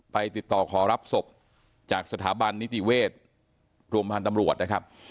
ติดต่อขอรับศพจากสถาบันนิติเวชโรงพยาบาลตำรวจนะครับ